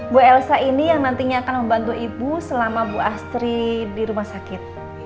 bu elsa ini yang nantinya akan membantu ibu selama bu astri di rumah sakit